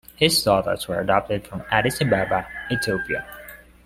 His daughters were adopted from Addis Ababa, Ethiopia.